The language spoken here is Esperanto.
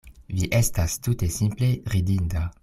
Vi estas tute simple ridinda.